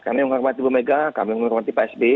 kami menghormati ibu mega kami menghormati pak sby